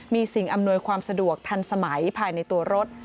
มีสิ่งอำนวยความสะดวกทันสมัยภายในตัวรถ